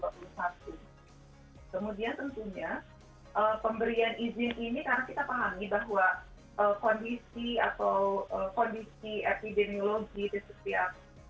kemudian tentunya pemberian izin ini karena kita pahami bahwa kondisi atau kondisi epidemiologi di setiap